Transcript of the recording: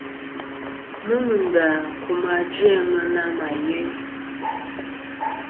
Nomɨ ndà kum age' a ŋwena mà yeyn.